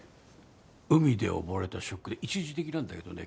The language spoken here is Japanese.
海で溺れたショックで一時的なんだけどね